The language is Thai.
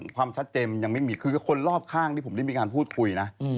ความชัดเจนยังไม่มีคือคนรอบข้างที่ผมได้มีการพูดคุยนะ